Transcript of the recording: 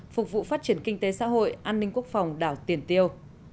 phục vụ phát triển kinh tế xã hội an ninh quốc phòng đảo tiền tiêu